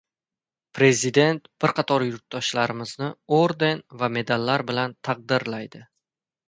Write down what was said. Prezident bir qator yurtdoshlarimizni orden va medallar bilan taqdirlaydi